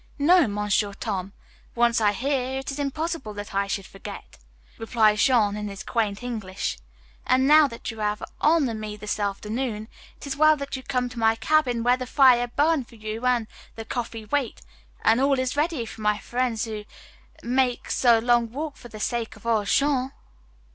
"No, Monsieur Tom; once I hear, it is impossible that I should forget," replied Jean in his quaint English. "An' now that you have honor me this afternoon, it is well that you come to my cabin where the fire burn for you an' the coffee wait, an' all is ready for my frien's who mak' so long walk for the sake of ol' Jean."